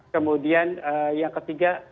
kemudian yang ketiga